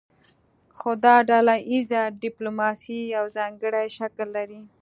خو دا ډله ایزه ډیپلوماسي یو ځانګړی شکل لري